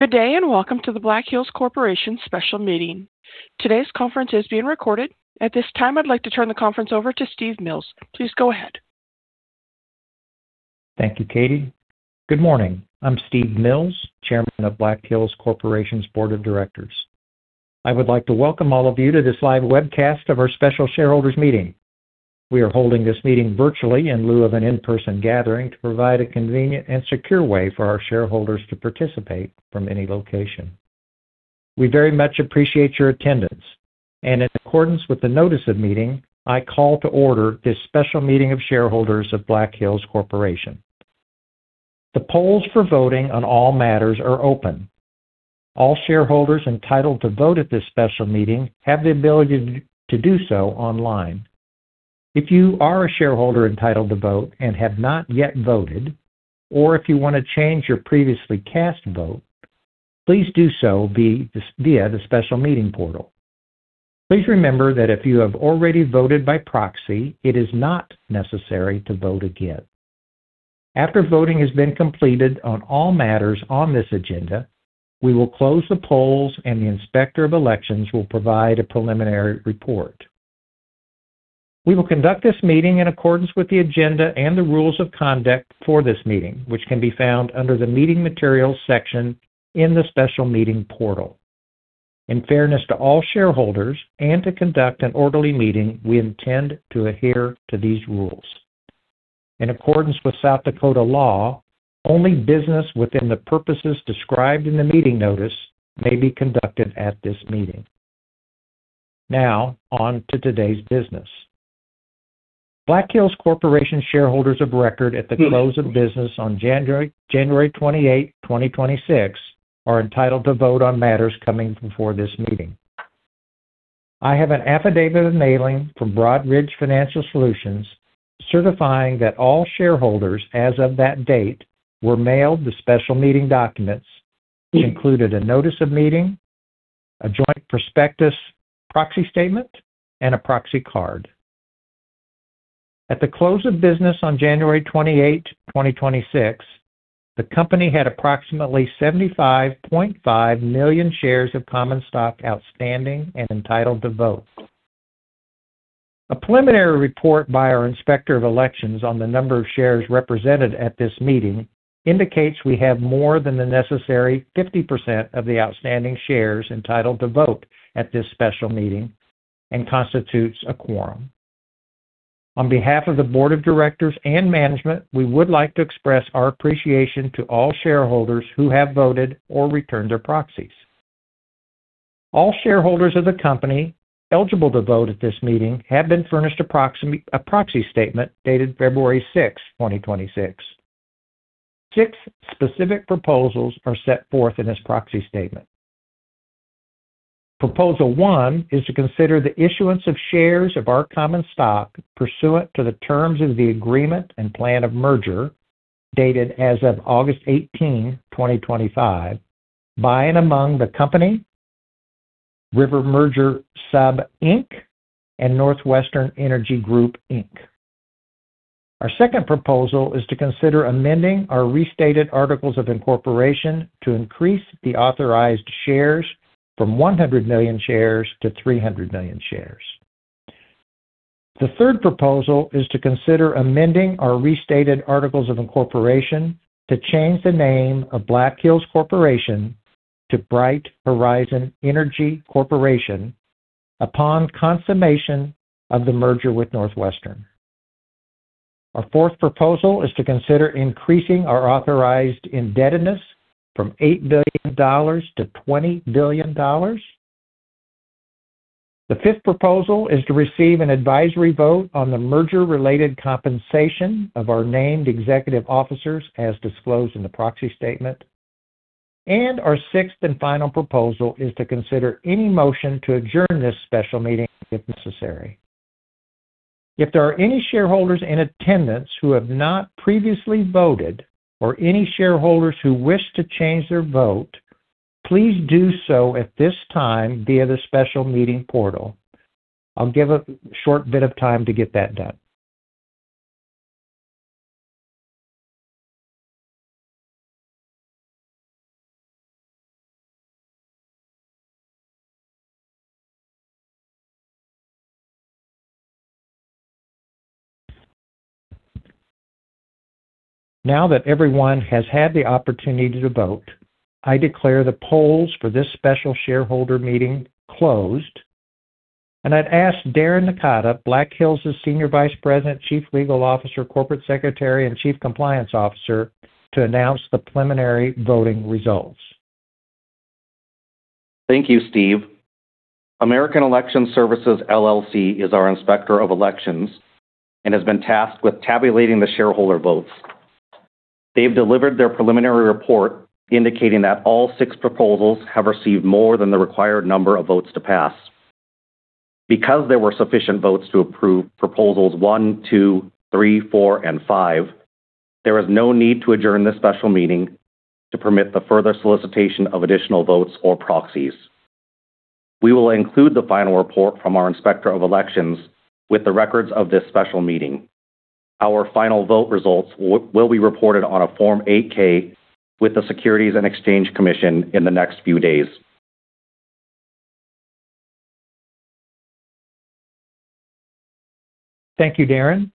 Good day, and welcome to the Black Hills Corporation special meeting. Today's conference is being recorded. At this time, I'd like to turn the conference over to Steve Mills. Please go ahead. Thank you, Katie. Good morning. I'm Steve Mills, Chairman of Black Hills Corporation's Board of Directors. I would like to welcome all of you to this live webcast of our special shareholders meeting. We are holding this meeting virtually in lieu of an in-person gathering to provide a convenient and secure way for our shareholders to participate from any location. We very much appreciate your attendance. In accordance with the notice of meeting, I call to order this special meeting of shareholders of Black Hills Corporation. The polls for voting on all matters are open. All shareholders entitled to vote at this special meeting have the ability to do so online. If you are a shareholder entitled to vote and have not yet voted, or if you want to change your previously cast vote, please do so via the special meeting portal. Please remember that if you have already voted by proxy, it is not necessary to vote again. After voting has been completed on all matters on this agenda, we will close the polls, and the Inspector of Elections will provide a preliminary report. We will conduct this meeting in accordance with the agenda and the rules of conduct for this meeting, which can be found under the meeting materials section in the special meeting portal. In fairness to all shareholders and to conduct an orderly meeting, we intend to adhere to these rules. In accordance with South Dakota law, only business within the purposes described in the meeting notice may be conducted at this meeting. Now on to today's business. Black Hills Corporation shareholders of record at the close of business on January 28, 2026 are entitled to vote on matters coming before this meeting. I have an affidavit of mailing from Broadridge Financial Solutions certifying that all shareholders as of that date were mailed the special meeting documents, which included a notice of meeting, a joint prospectus, proxy statement, and a proxy card. At the close of business on January 28, 2026, the company had approximately 75.5 million shares of common stock outstanding and entitled to vote. A preliminary report by our Inspector of Elections on the number of shares represented at this meeting indicates we have more than the necessary 50% of the outstanding shares entitled to vote at this special meeting and constitutes a quorum. On behalf of the board of directors and management, we would like to express our appreciation to all shareholders who have voted or returned their proxies. All shareholders of the company eligible to vote at this meeting have been furnished a proxy, a proxy statement dated February 6, 2026. Six specific proposals are set forth in this proxy statement. Proposal one is to consider the issuance of shares of our common stock pursuant to the terms of the agreement and plan of merger dated as of August 18, 2025, by and among the company, River Merger Sub Inc., and NorthWestern Energy Group, Inc. Our second proposal is to consider amending our restated articles of incorporation to increase the authorized shares from 100 million shares to 300 million shares. The third proposal is to consider amending our restated articles of incorporation to change the name of Black Hills Corporation to Bright Horizon Energy Corporation upon consummation of the merger with NorthWestern. Our fourth proposal is to consider increasing our authorized indebtedness from $8 billion to $20 billion. The fifth proposal is to receive an advisory vote on the merger related compensation of our named executive officers as disclosed in the proxy statement. Our sixth and final proposal is to consider any motion to adjourn this special meeting if necessary. If there are any shareholders in attendance who have not previously voted or any shareholders who wish to change their vote, please do so at this time via the special meeting portal. I'll give a short bit of time to get that done. Now that everyone has had the opportunity to vote, I declare the polls for this special shareholder meeting closed. I'd ask Darren Nakata, Black Hills' Senior Vice President, Chief Legal Officer, Corporate Secretary, and Chief Compliance Officer, to announce the preliminary voting results. Thank you, Steve. American Election Services, LLC is our Inspector of Elections and has been tasked with tabulating the shareholder votes. They've delivered their preliminary report indicating that all six proposals have received more than the required number of votes to pass. Because there were sufficient votes to approve proposals one, two, three, four, and five, there is no need to adjourn this special meeting to permit the further solicitation of additional votes or proxies. We will include the final report from our Inspector of Elections with the records of this special meeting. Our final vote results will be reported on a Form 8-K with the Securities and Exchange Commission in the next few days. Thank you, Darren.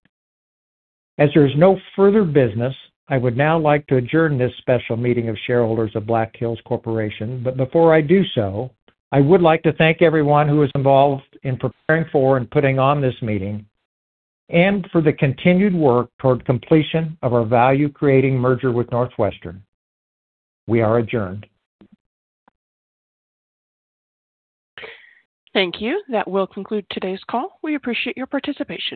As there is no further business, I would now like to adjourn this special meeting of shareholders of Black Hills Corporation. Before I do so, I would like to thank everyone who is involved in preparing for and putting on this meeting and for the continued work toward completion of our value-creating merger with NorthWestern. We are adjourned. Thank you. That will conclude today's call. We appreciate your participation.